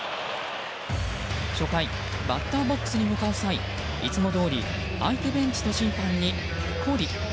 初回バッターボックスに向かう際いつもどおり相手ベンチの審判にペコリ。